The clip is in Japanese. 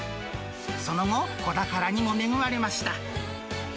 その後、子宝にも恵まれました。